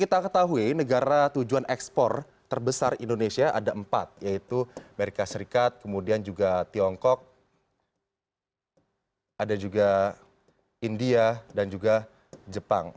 kita ketahui negara tujuan ekspor terbesar indonesia ada empat yaitu amerika serikat kemudian juga tiongkok ada juga india dan juga jepang